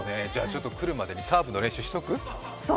来るまでにサーブの練習しとく？